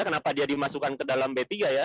kenapa dia dimasukkan ke dalam b tiga ya